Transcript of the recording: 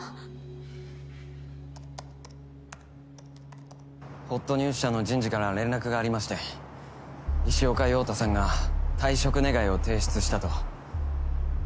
カチャカチャほっとニュース社の人事から連絡がありまして石岡遥太さんが退職願を提出したと。